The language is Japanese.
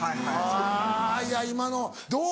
あぁいや今のどう？